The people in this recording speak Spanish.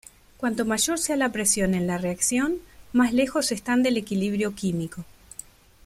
Cuanto mayor sea la presión en la reacción más lejos están del equilibrio químico.